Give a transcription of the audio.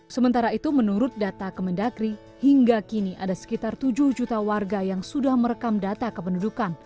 sementara itu menurut data kemendagri hingga kini ada sekitar tujuh juta warga yang sudah merekam data kependudukan